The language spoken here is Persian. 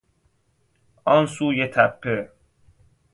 آن سوی تپه